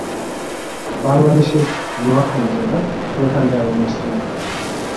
বাংলাদেশের নোয়াখালী জেলার প্রধান জামে মসজিদ।